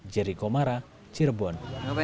jeri komara cirebon